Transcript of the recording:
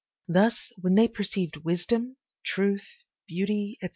Thus, when they perceived wisdom, truth, beauty, etc.